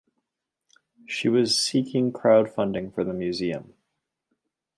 She was seeking crowdfunding for the museum.